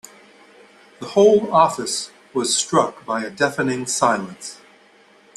The whole office was struck by a deafening silence.